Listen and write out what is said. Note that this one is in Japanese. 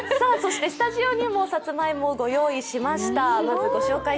そしてスタジオにもさつまいもをご用意しました。